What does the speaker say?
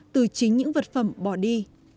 từ chính những vật phẩm bỏ đi